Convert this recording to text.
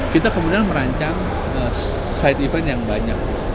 kita kemudian merancang side event yang banyak